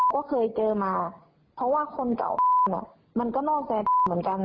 ก็เคยเจอมาเพราะว่าคนเก่ามันก็นอกใจเหมือนกัน